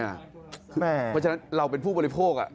เพราะฉะนั้นเราเป็นผู้บริโภค